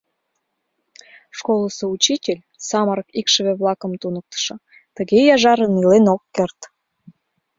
Школысо учитель, самырык икшыве-влакым туныктышо, тыге яжарын илен ок керт.